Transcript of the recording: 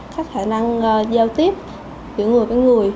khả năng giao tiếp giữa người với người